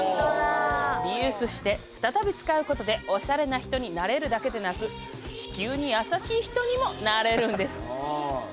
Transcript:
リユースして再び使うことでおしゃれな人になれるだけでなく地球に優しい人にもなれるんです！